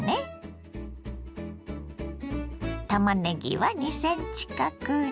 たまねぎは２ｃｍ角に。